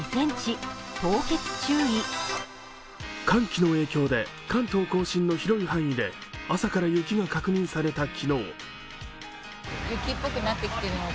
寒気の影響で関東甲信の広い範囲で朝から雪が確認された昨日。